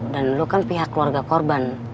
dan lo kan pihak keluarga korban